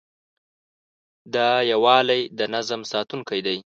دا یووالی د نظم ساتونکی دی.